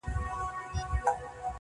خدای راکړې هره ورځ تازه هوا وه!.